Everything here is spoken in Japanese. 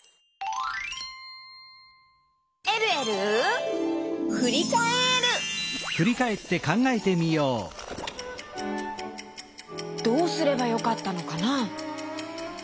「えるえるふりかえる」どうすればよかったのかな？